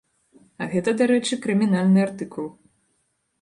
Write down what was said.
А гэта, дарэчы, крымінальны артыкул.